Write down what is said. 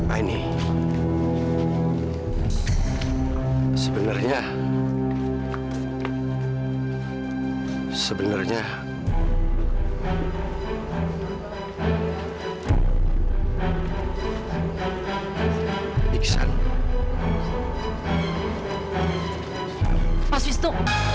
aini berhak tahu